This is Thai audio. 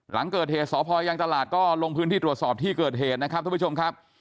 หลังเกิดเหตุสพยังตลาดก็ลงพื้นที่ตรวจสอบที่เกิดเหตุนะครับทุกผู้ชมครับ